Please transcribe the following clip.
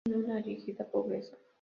Vive una rígida pobreza.